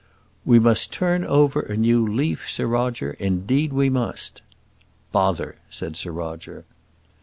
"We must turn over a new leaf, Sir Roger; indeed we must." "Bother," said Sir Roger.